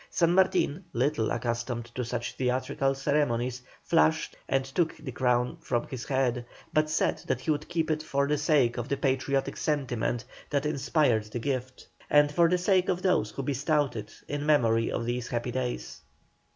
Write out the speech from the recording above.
San Martin, little accustomed to such theatrical ceremonies, flushed and took the crown from his head, but said that he would keep it for the sake of the patriotic sentiment that inspired the gift, and for the sake of those who bestowed it, in memory of these happy days.